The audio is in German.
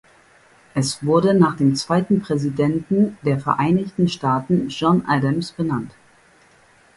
Es wurde nach dem zweiten Präsidenten der Vereinigten Staaten John Adams benannt.